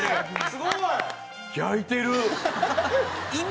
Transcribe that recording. すごい！